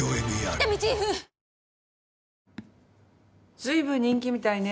随分人気みたいね